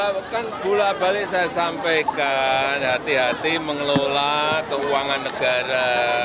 pulau balik saya sampaikan hati hati mengelola keuangan negara